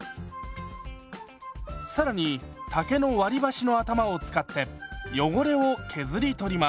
更に竹の割り箸の頭を使って汚れを削り取ります。